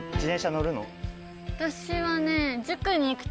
私はね。